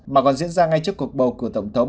mà còn diễn ra ngay trước cuộc bầu cử tổng thống